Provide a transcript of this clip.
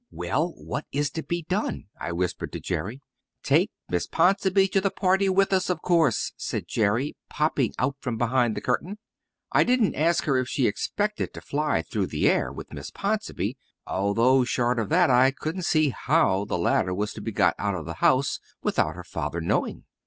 "Well, what is to be done?" I whispered to Jerry. "Take Miss Ponsonby to the party with us, of course," said Jerry, popping out from behind the curtain. I didn't ask her if she expected to fly through the air with Miss Ponsonby, although short of that I couldn't see how the latter was to be got out of the house without her father knowing.